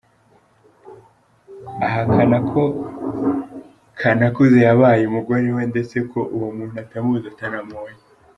Ahakana ko Kanakuze yabaye umugore we ndetse ko uwo muntu atamuzi atanamubonye.